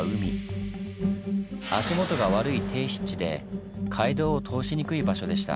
足元が悪い低湿地で街道を通しにくい場所でした。